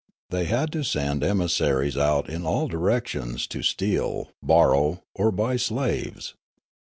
They had to send emis saries out in all directions to steal, borrow, or buy slaves.